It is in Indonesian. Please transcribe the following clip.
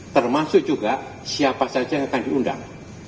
termasuk juga siapa saja yang akan diundang